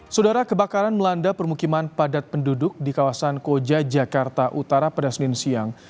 sudara kebakaran melanda permukiman padat penduduk di kawasan koja jakarta utara pada senin siang